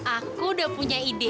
aku udah punya ide